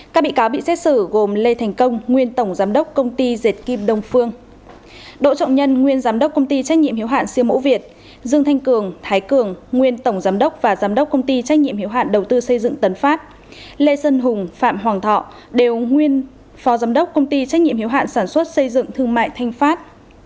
các bị cáo bị xét xử gồm lê thành công nguyên tổng giám đốc công ty diệt kim đông phương đỗ trọng nhân nguyên giám đốc công ty trách nhiệm hiếu hạn siêu mẫu việt dương thanh cường thái cường nguyên tổng giám đốc và giám đốc công ty trách nhiệm hiếu hạn đầu tư xây dựng tấn pháp lê sân hùng phạm hoàng thọ đều nguyên phó giám đốc công ty trách nhiệm hiếu hạn sản xuất xây dựng thương mại thanh pháp